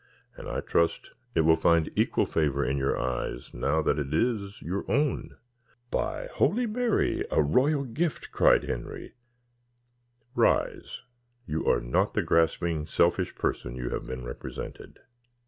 And I trust it will find equal favour in your eyes, now that it is your own." "By holy Mary, a royal gift!" cried Henry. "Rise, You are not the grasping, selfish person you have been represented."